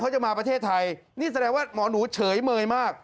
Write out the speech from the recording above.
จะมาประเทศไทยนี่แสดงว่าหมอหนูเฉยเมยมาก